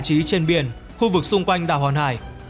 trí trên biển khu vực xung quanh đảo hòn hải